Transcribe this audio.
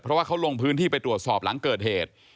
เพราะว่าเขาลงพื้นที่ไปตรวจสอบหลังเกิดเหตุ